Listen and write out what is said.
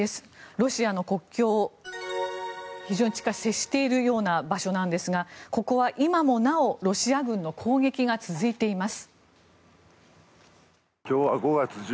ロシアの国境に非常に近い接しているようなところですがここは今もなおロシア軍の攻撃が続いています。